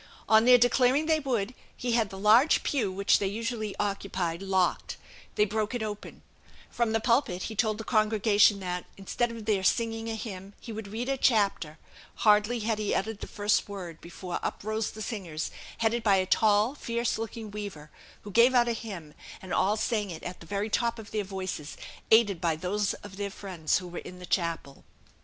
On their declaring they would, he had the large pew which they usually occupied locked; they broke it open: from the pulpit he told the congregation that, instead of their singing a hymn, he would read a chapter; hardly had he uttered the first word, before up rose the singers, headed by a tall, fierce looking weaver, who gave out a hymn, and all sang it at the very top of their voices, aided by those of their friends who were in the chapel.